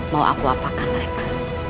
mau aku apakan mereka